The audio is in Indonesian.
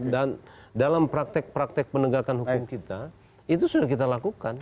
dan dalam praktek praktek penegakan hukum kita itu sudah kita lakukan